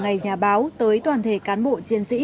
ngày nhà báo tới toàn thể cán bộ chiến sĩ